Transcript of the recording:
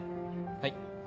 はい。